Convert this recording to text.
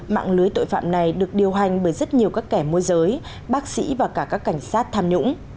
mạng lưới tội phạm này được điều hành bởi rất nhiều các kẻ môi giới bác sĩ và cả các cảnh sát tham nhũng